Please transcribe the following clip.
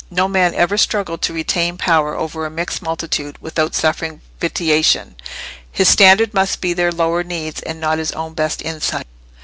No man ever struggled to retain power over a mixed multitude without suffering vitiation; his standard must be their lower needs and not his own best insight.